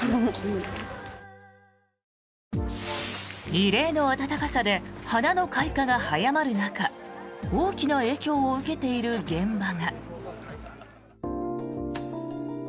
異例の暖かさで花の開花が早まる中大きな影響を受けている現場が。